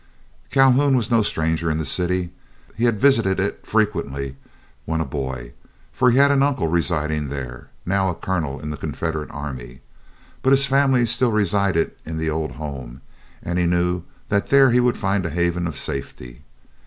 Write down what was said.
Calhoun was no stranger in the city. He had visited it frequently when a boy, for he had an uncle residing there, now a colonel in the Confederate army. But his family still resided in the old home, and he knew that there he would find a haven of safety.